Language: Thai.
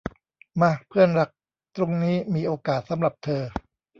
มา เพื่อนรัก ตรงนี้มีโอกาสสำหรับเธอ